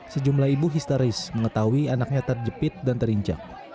sejumlah ibu histeris mengetahui anaknya terjepit dan terinjak